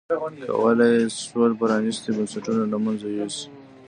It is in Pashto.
کولای یې شول پرانیستي بنسټونه له منځه یوسي.